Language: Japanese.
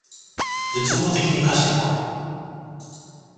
絶望的に歌詞が暗い